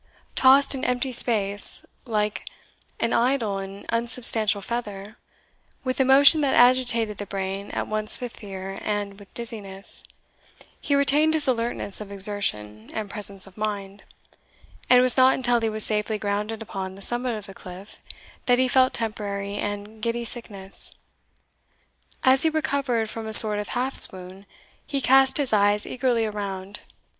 Tossed in empty space, like an idle and unsubstantial feather, with a motion that agitated the brain at once with fear and with dizziness, he retained his alertness of exertion and presence of mind; and it was not until he was safely grounded upon the summit of the cliff, that he felt temporary and giddy sickness. As he recovered from a sort of half swoon, he cast his eyes eagerly around.